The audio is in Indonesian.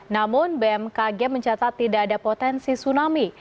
namun bmkg mencatat tidak ada potensi tsunami